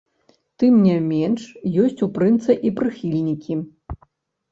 Тым не менш, ёсць у прынца і прыхільнікі.